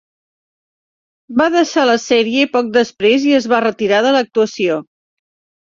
Va deixar la sèrie poc després i es va retirar de l'actuació.